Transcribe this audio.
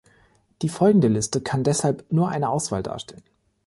Die folgende Liste kann deshalb nur eine Auswahl darstellen.